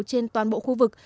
trên toàn bộ khu vực